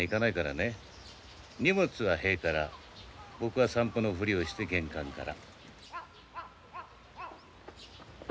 荷物は塀から僕は散歩のふりをして玄関から。